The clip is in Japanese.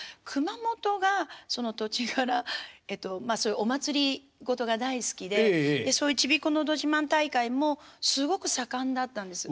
まあそういうお祭り事が大好きでそういうちびっこのど自慢大会もすごく盛んだったんです。